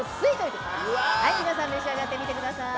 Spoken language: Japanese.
皆さん召し上がってみてください。